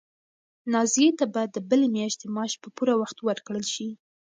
نازیې ته به د بلې میاشتې معاش په پوره وخت ورکړل شي.